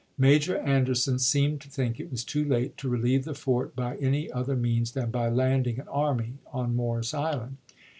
Major Anderson seemed to think it was too late to relieve the fort by any other means than by landing an army on Morris Island.